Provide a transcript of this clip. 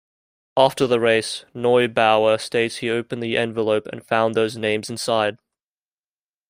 After the race, Neubauer states he opened the envelope and found those names inside.